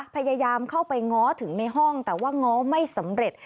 พยายามเข้าไปง้อถึงในห้องแต่ว่าง้อไม่สำเร็จ